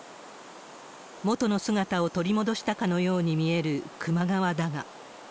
元の姿を取り戻したかのように見える球磨川だが。